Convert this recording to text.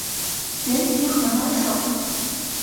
原籍河南省。